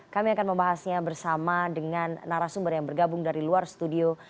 kami akan membahasnya bersama dengan narasumber yang bergabung dari luar studio